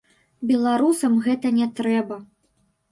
Беларусам гэта не трэба.